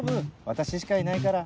私しかいないから。